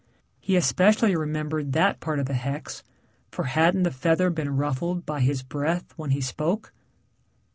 He especially remembered that part of the hex, for hadn't the feather been ruffled by his breath when he spoke....